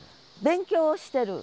勉強をしてる。